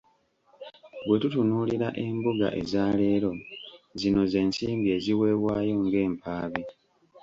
"Bwe tutunuulira embuga eza leero, zino z’ensimbi eziweebwayo ng’empaabi."